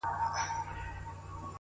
هغه نجلۍ مي اوس پوښتنه هر ساعت کوي؛